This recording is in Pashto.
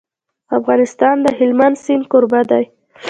افغانستان د هلمند سیند کوربه دی.